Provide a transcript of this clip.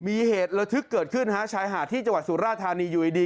มีเหตุระทึกเกิดขึ้นฮะชายหาดที่จังหวัดสุราธานีอยู่ดี